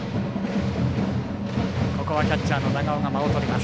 ここはキャッチャーの長尾が間をとります。